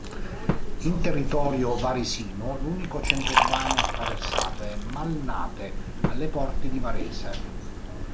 In territorio varesino, l'unico centro urbano attraversato è Malnate, alle porte di Varese.